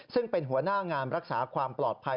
ซึ่งเป็นหัวหน้างานรักษาความปลอดภัย